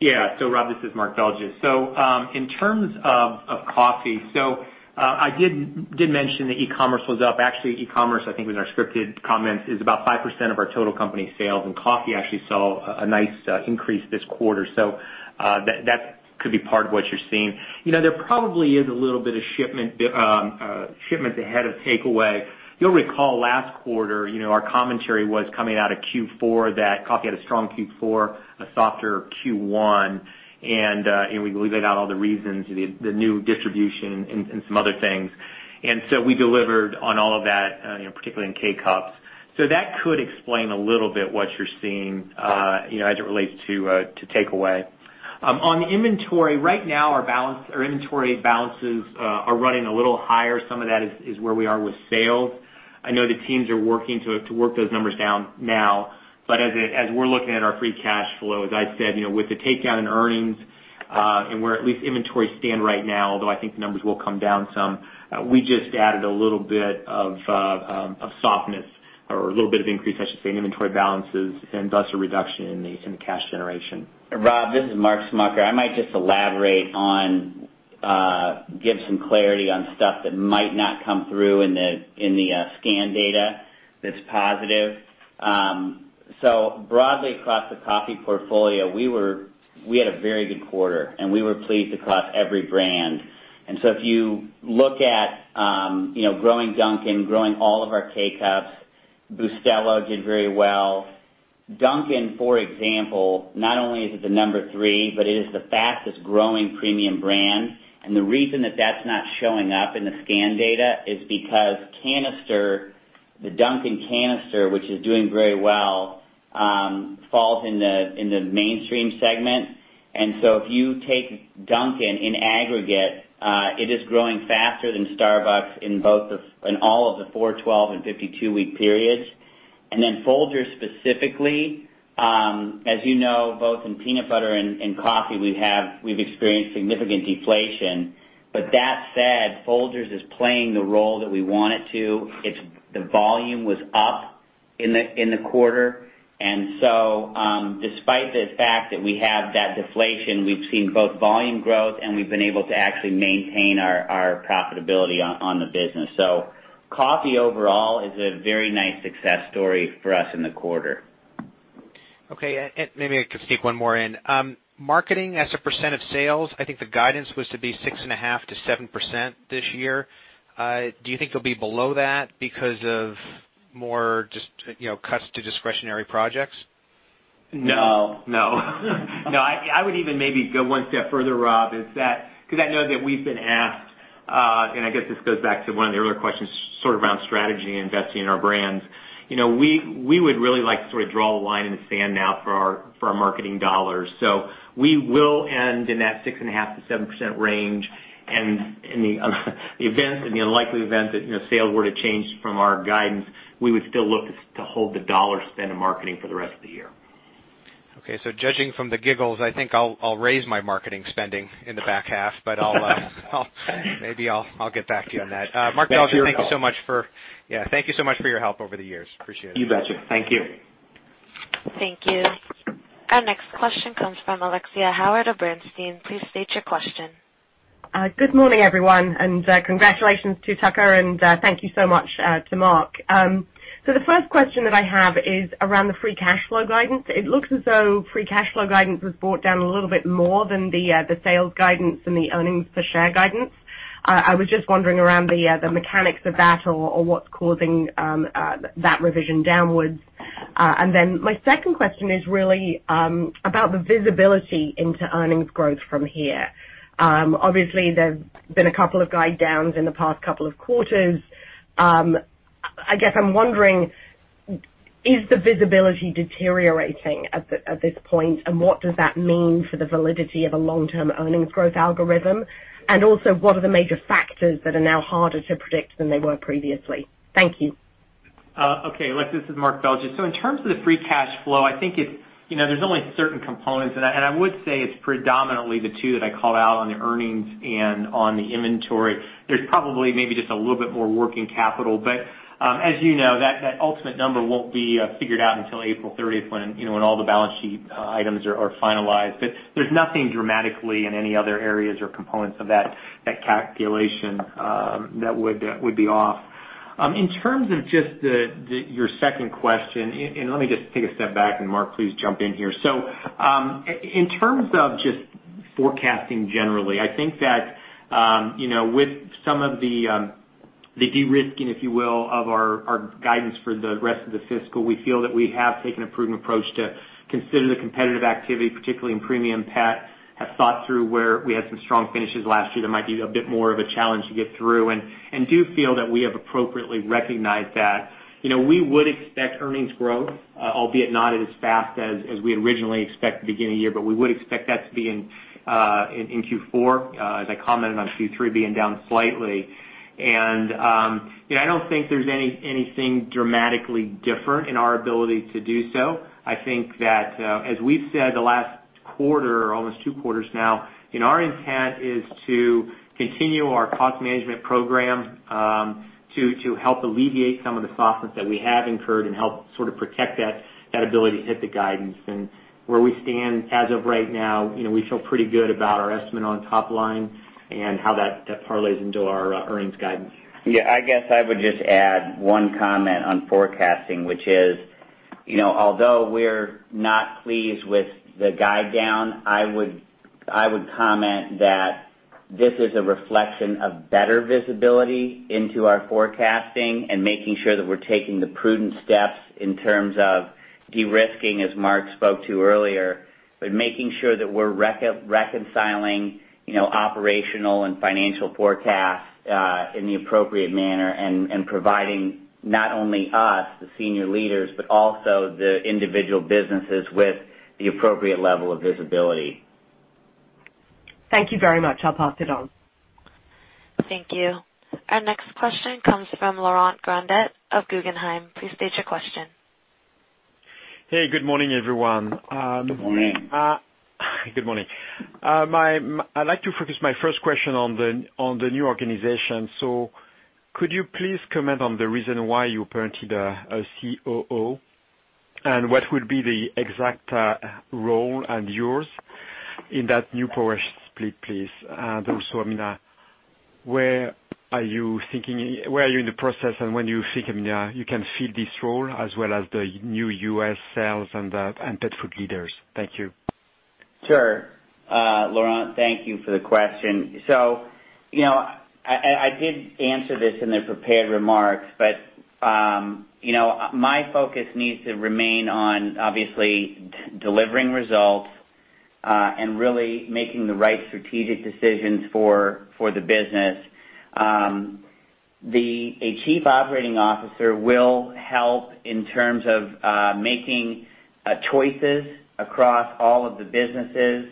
Yeah. So Rob, this is Mark Belgya. So in terms of Coffee, so I did mention that e-commerce was up. Actually, e-commerce, I think was our scripted comments, is about 5% of our total company sales, and Coffee actually saw a nice increase this quarter. So that could be part of what you're seeing. There probably is a little bit of shipment ahead of takeaway. You'll recall last quarter, our commentary was coming out of Q4 that Coffee had a strong Q4, a softer Q1, and we laid out all the reasons, the new distribution, and some other things, and so we delivered on all of that, particularly in K-Cups, so that could explain a little bit what you're seeing as it relates to takeaway. On the inventory, right now, our inventory balances are running a little higher. Some of that is where we are with sales. I know the teams are working to work those numbers down now, but as we're looking at our free cash flow, as I said, with the takedown and earnings, and where at least inventory stands right now, although I think the numbers will come down some, we just added a little bit of softness or a little bit of increase, I should say, in inventory balances and thus a reduction in the cash generation. Rob, this is Mark Smucker. I might just elaborate on, give some clarity on stuff that might not come through in the scan data that's positive. So broadly across the Coffee portfolio, we had a very good quarter, and we were pleased across every brand. And so if you look at growing Dunkin', growing all of our K-Cups, Bustelo did very well. Dunkin', for example, not only is it the number three, but it is the fastest-growing premium brand. And the reason that that's not showing up in the scan data is because the Dunkin' canister, which is doing very well, falls in the mainstream segment. And so if you take Dunkin' in aggregate, it is growing faster than Starbucks in all of the four, 12, and 52-week periods. And then Folgers specifically, as you know, both in Peanut Butter and Coffee, we've experienced significant deflation. But that said, Folgers is playing the role that we want it to. The volume was up in the quarter. And so despite the fact that we have that deflation, we've seen both volume growth, and we've been able to actually maintain our profitability on the business. So Coffee overall is a very nice success story for us in the quarter. Okay. And maybe I could sneak one more in. Marketing, as a percent of sales, I think the guidance was to be 6.5%-7% this year. Do you think it'll be below that because of more just cuts to discretionary projects? No. No. No. I would even maybe go one step further, Rob, because I know that we've been asked, and I guess this goes back to one of the earlier questions sort of around strategy and investing in our brands. We would really like to sort of draw a line in the sand now for our marketing dollars. So we will end in that 6.5%-7% range. And in the event, in the unlikely event that sales were to change from our guidance, we would still look to hold the dollar spend in marketing for the rest of the year. Okay. So judging from the giggles, I think I'll raise my marketing spending in the back half, but maybe I'll get back to you on that. Mark Belgya, thank you so much for. Yeah. Thank you so much for your help over the years. Appreciate it. You betcha. Thank you. Thank you. Our next question comes from Alexia Howard of Bernstein. Please state your question. Good morning, everyone. And congratulations to Tucker, and thank you so much to Mark. So the first question that I have is around the free cash flow guidance. It looks as though free cash flow guidance was brought down a little bit more than the sales guidance and the earnings per share guidance. I was just wondering around the mechanics of that or what's causing that revision downwards. And then my second question is really about the visibility into earnings growth from here. Obviously, there's been a couple of guide downs in the past couple of quarters. I guess I'm wondering, is the visibility deteriorating at this point, and what does that mean for the validity of a long-term earnings growth algorithm? And also, what are the major factors that are now harder to predict than they were previously? Thank you. Okay. Alex, this is Mark Belgya. So in terms of the free cash flow, I think there's only certain components, and I would say it's predominantly the two that I called out on the earnings and on the inventory. There's probably maybe just a little bit more working capital. But as you know, that ultimate number won't be figured out until April 30th when all the balance sheet items are finalized. But there's nothing dramatically in any other areas or components of that calculation that would be off. In terms of just your second question, and let me just take a step back, and Mark, please jump in here, so in terms of just forecasting generally, I think that with some of the de-risking, if you will, of our guidance for the rest of the fiscal, we feel that we have taken a prudent approach to consider the competitive activity, particularly in premium pet, have thought through where we had some strong finishes last year that might be a bit more of a challenge to get through, and do feel that we have appropriately recognized that. We would expect earnings growth, albeit not as fast as we originally expected at the beginning of the year, but we would expect that to be in Q4, as I commented on Q3 being down slightly, and I don't think there's anything dramatically different in our ability to do so. I think that, as we've said the last quarter, almost two quarters now, our intent is to continue our cost management program to help alleviate some of the softness that we have incurred and help sort of protect that ability to hit the guidance. And where we stand as of right now, we feel pretty good about our estimate on top line and how that parlays into our earnings guidance. Yeah. I guess I would just add one comment on forecasting, which is, although we're not pleased with the guide down, I would comment that this is a reflection of better visibility into our forecasting and making sure that we're taking the prudent steps in terms of de-risking, as Mark spoke to earlier, but making sure that we're reconciling operational and financial forecasts in the appropriate manner and providing not only us, the senior leaders, but also the individual businesses with the appropriate level of visibility. Thank you very much. I'll pass it on. Thank you. Our next question comes from Laurent Grandet of Guggenheim. Please state your question. Hey. Good morning, everyone. Good morning. Good morning. I'd like to focus my first question on the new organization. So could you please comment on the reason why you apparently are a COO, and what would be the exact role and yours in that new power split, please? And also, I mean, where are you thinking? Where are you in the process, and when do you think you can fill this role as well as the new U.S. sales and Pet Food leaders? Thank you. Sure. Laurent, thank you for the question. So I did answer this in the prepared remarks, but my focus needs to remain on, obviously, delivering results and really making the right strategic decisions for the business. The Chief Operating Officer will help in terms of making choices across all of the businesses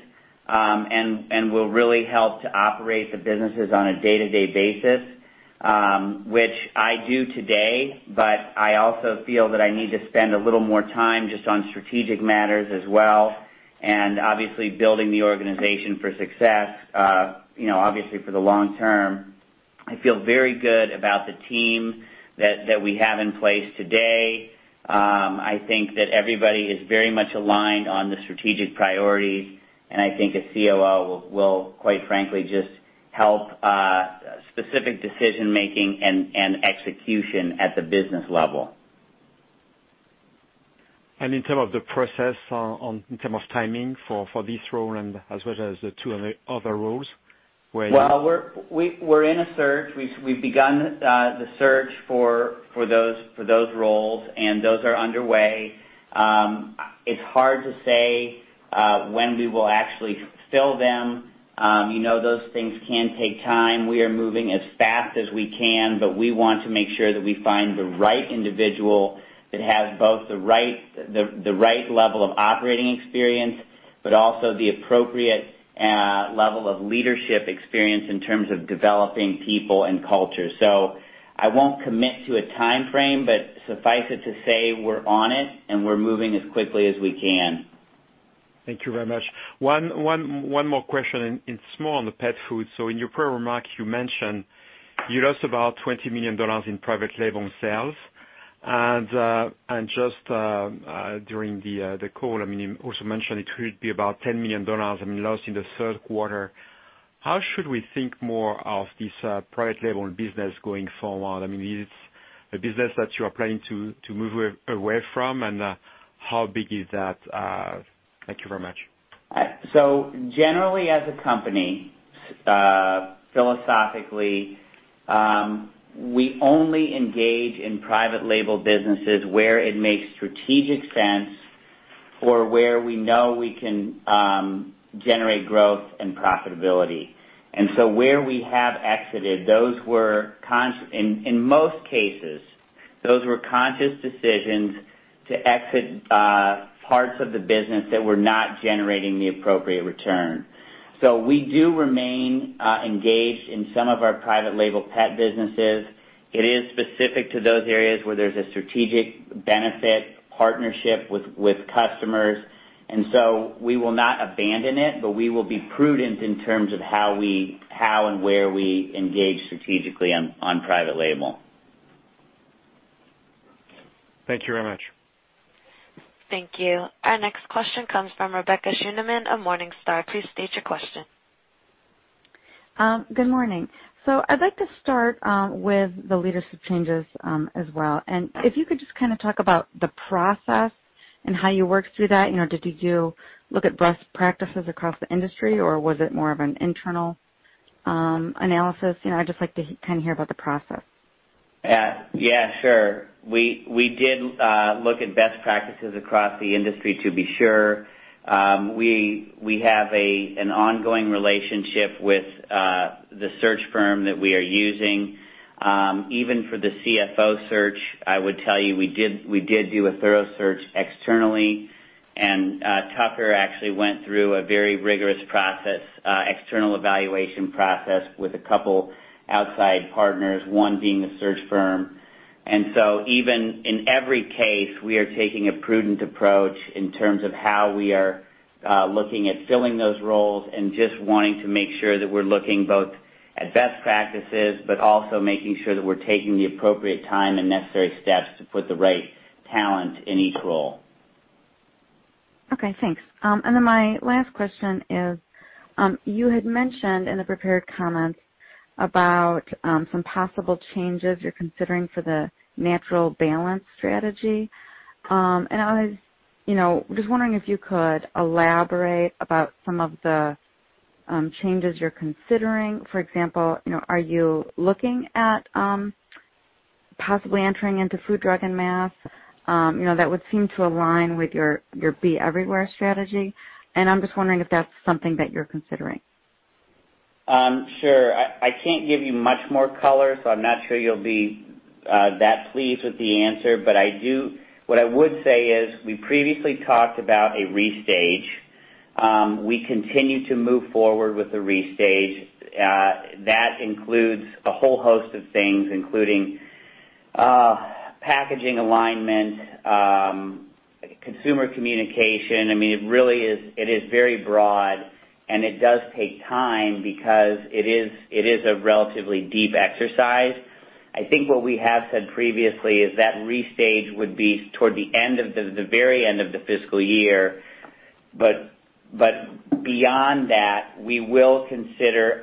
and will really help to operate the businesses on a day-to-day basis, which I do today, but I also feel that I need to spend a little more time just on strategic matters as well and, obviously, building the organization for success, obviously, for the long term. I feel very good about the team that we have in place today. I think that everybody is very much aligned on the strategic priorities, and I think a COO will, quite frankly, just help specific decision-making and execution at the business level. And in terms of the process, in terms of timing for this role and as well as the two other roles, where? Well, we're in a search. We've begun the search for those roles, and those are underway. It's hard to say when we will actually fill them. Those things can take time. We are moving as fast as we can, but we want to make sure that we find the right individual that has both the right level of operating experience but also the appropriate level of leadership experience in terms of developing people and culture. So I won't commit to a time frame, but suffice it to say we're on it, and we're moving as quickly as we can. Thank you very much. One more question, and it's more on the Pet Food. So in your prior remark, you mentioned you lost about $20 million private label sales. And just during the call, I mean, you also mentioned it could be about $10 million lost in the third quarter. How should we think more of private label business going forward? I mean, is it a business that you are planning to move away from, and how big is that? Thank you very much. So generally, as a company, philosophically, we only engage private label businesses where it makes strategic sense or where we know we can generate growth and profitability. And so where we have exited, in most cases, those were conscious decisions to exit parts of the business that were not generating the appropriate we do remain engage in some of our private label pet businesses. it is specific to those areas where there's a strategic benefit partnership with customers. And so we will not abandon it, but we will be prudent in terms of how and where we engage strategically on private label. Thank you very much. Thank you. Our next question comes from Rebecca Scheuneman of Morningstar. Please state your question. Good morning. I'd like to start with the leadership changes as well. And if you could just kind of talk about the process and how you worked through that. Did you look at best practices across the industry, or was it more of an internal analysis? I'd just like to kind of hear about the process. Yeah. Sure. We did look at best practices across the industry to be sure. We have an ongoing relationship with the search firm that we are using. Even for the CFO search, I would tell you we did do a thorough search externally. And Tucker actually went through a very rigorous external evaluation process with a couple outside partners, one being the search firm. And so even in every case, we are taking a prudent approach in terms of how we are looking at filling those roles and just wanting to make sure that we're looking both at best practices but also making sure that we're taking the appropriate time and necessary steps to put the right talent in each role. Okay. Thanks. And then my last question is, you had mentioned in the prepared comments about some possible changes you're considering for the Natural Balance strategy. And I was just wondering if you could elaborate about some of the changes you're considering. For example, are you looking at possibly entering into food, drug, and mass? That would seem to align with your be-everywhere strategy. And I'm just wondering if that's something that you're considering. Sure. I can't give you much more color, so I'm not sure you'll be that pleased with the answer. But what I would say is we previously talked about a restage. We continue to move forward with the restage. That includes a whole host of things, including packaging alignment, consumer communication. I mean, it is very broad, and it does take time because it is a relatively deep exercise. I think what we have said previously is that restage would be toward the end of the very end of the fiscal year. But beyond that, we will consider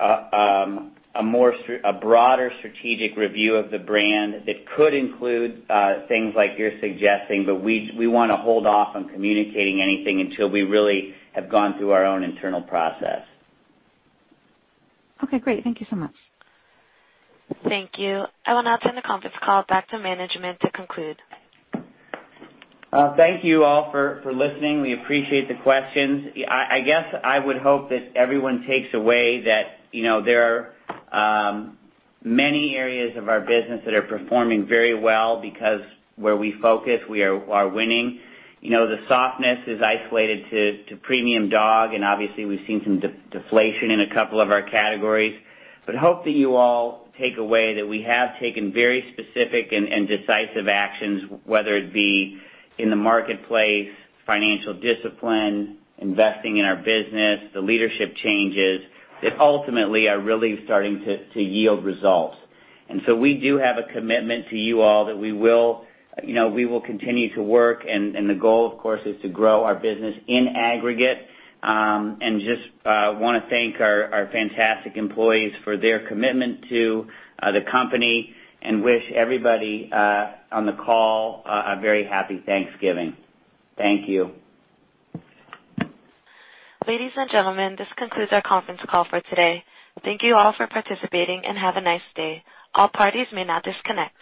a broader strategic review of the brand that could include things like you're suggesting, but we want to hold off on communicating anything until we really have gone through our own internal process. Okay. Great. Thank you so much. Thank you. I will now turn the conference call back to management to conclude. Thank you all for listening. We appreciate the questions. I guess I would hope that everyone takes away that there are many areas of our business that are performing very well because where we focus, we are winning. The softness is isolated to premium dog, and obviously, we've seen some deflation in a couple of our categories. But I hope that you all take away that we have taken very specific and decisive actions, whether it be in the marketplace, financial discipline, investing in our business, the leadership changes that ultimately are really starting to yield results. And so we do have a commitment to you all that we will continue to work. And the goal, of course, is to grow our business in aggregate. And just want to thank our fantastic employees for their commitment to the company and wish everybody on the call a very happy Thanksgiving. Thank you. Ladies and gentlemen, this concludes our conference call for today. Thank you all for participating and have a nice day. All parties may now disconnect.